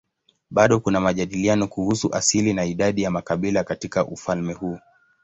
Bado kuna majadiliano kuhusu asili na idadi ya makabila katika ufalme huu.